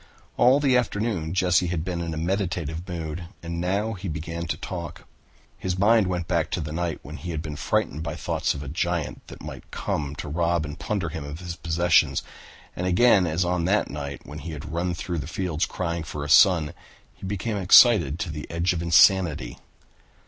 All the afternoon Jesse had been in a meditative mood and now he began to talk. His mind went back to the night when he had been frightened by thoughts of a giant that might come to rob and plunder him of his possessions, and again as on that night when he had run through the fields crying for a son, he became excited to the edge of insanity.